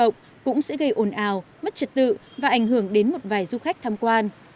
cộng cũng sẽ gây ồn ào mất trật tự và ảnh hưởng đến một vài du khách tham quan